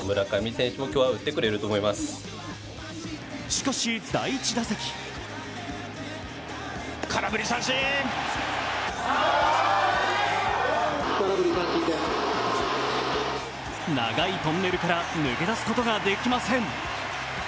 しかし、第１打席長いトンネルから抜け出すことができません。